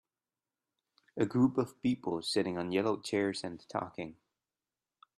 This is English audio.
A group of people sitting on yellow chairs and talking.